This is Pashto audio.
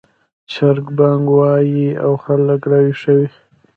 چرګ بانګ وايي او خلک راویښوي